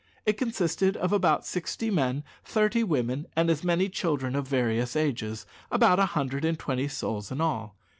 It consisted of about sixty men, thirty women, and as many children of various ages about a hundred and twenty souls in all.